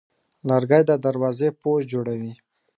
لرګی د دروازې پوست جوړوي.